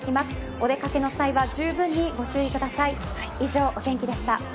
お出掛けの際はじゅうぶんにご注意ください。